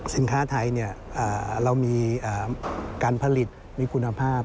สินค้าไทยเรามีการผลิตมีคุณภาพ